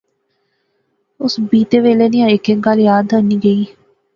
اس بیتے ویلے نی ہیک ہیک گل یاد اینی گئی